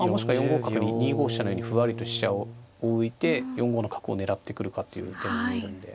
五角に２五飛車のようにふわりと飛車を浮いて４五の角を狙ってくるかっていう手も見えるんで。